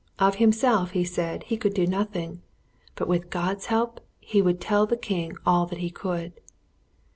Of himself, he said, he could do nothing; but with God's help he would tell the king all that he could.